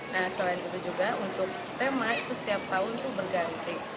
nah selain itu juga untuk tema itu setiap tahun itu berganti